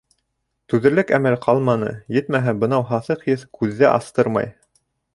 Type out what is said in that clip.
Түҙерлек әмәл ҡалманы, етмәһә, бынау һаҫыҡ еҫ күҙҙе астырмай.